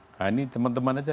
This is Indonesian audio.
nah ini teman teman aja